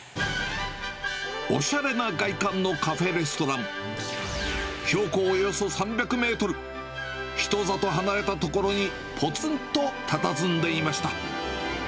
おしゃれな外観のカフェレストラン、標高およそ３００メートル、人里離れた所にぽつんとたたずんでいました。